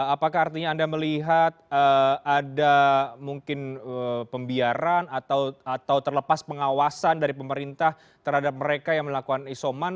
apakah artinya anda melihat ada mungkin pembiaran atau terlepas pengawasan dari pemerintah terhadap mereka yang melakukan isoman